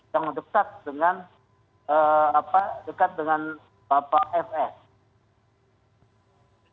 yang dekat dengan dekat dengan bapak fs